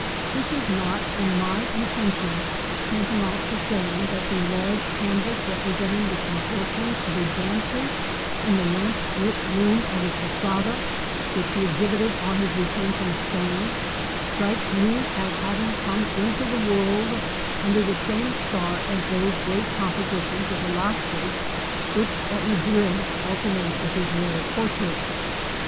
This is not, in my intention, tan tamount to saying that the large canvas representing the contortions of a dancer in the lamp lit room of a posada, which he exhibited on his return from Spain, strikes me as having come into the world under the same star as those great compositions of Velasquez which at Madrid alternate with his royal portraits.